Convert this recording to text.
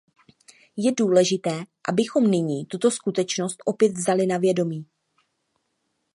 Je důležité, abychom nyní tuto skutečnost opět vzali na vědomí.